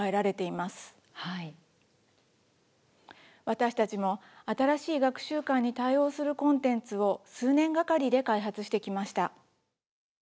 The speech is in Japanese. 私たちも新しい学習観に対応するコンテンツを数年がかりで開発してきました。